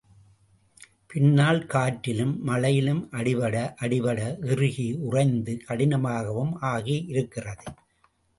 பின்னால் காற்றிலும் மழையிலும் அடிபட அடிபட இறுகி உறைந்து கடினமாகவும் ஆகியிருக்கிறது.